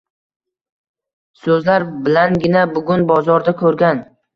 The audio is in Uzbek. So‘zlar bilangina bugun bozorda ko‘rgan